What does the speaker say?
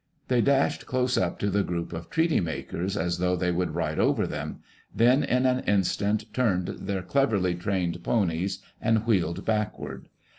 They dashed close up to the group of treaty makers as though they would ride over them — then in an instant turned their cleverly trained ponies and wheeled backward.